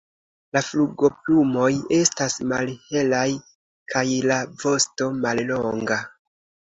La flugoplumoj estas malhelaj kaj la vosto mallonga.